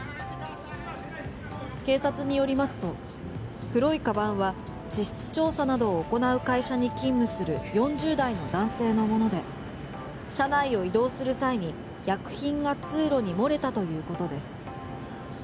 警察によりますと黒いかばんは地質調査などを行う会社に勤務する４０代の男性のもので車内を移動する際に薬品が通路に漏れたということです。